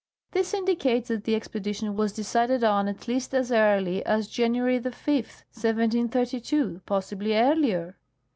This indicates that the expedition was decided on at least as early as January 5, 1732 ; possibly earlier.